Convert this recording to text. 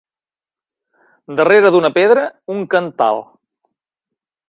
Darrere d'una pedra, un cantal.